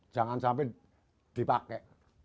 jangan sampai dipakai